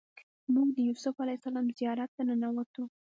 موږ د یوسف علیه السلام زیارت ته ننوتو.